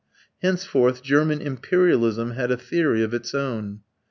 Henceforth German imperialism had a theory of its own.